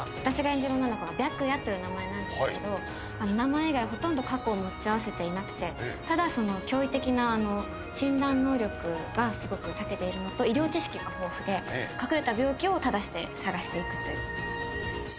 私が演じる女の子は白夜という名前なんですけど名前以外ほとんど過去を持ち合わせていなくてただ驚異的な診断能力がすごくたけているのと医療知識が豊富で隠れた病気を正して探していくという。